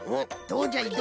どうじゃい？